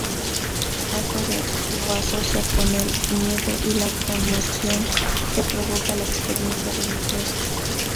Otto lo asocia con el miedo y la conmoción que provoca la experiencia religiosa.